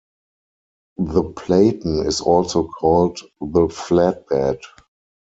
The platen is also called the flatbed.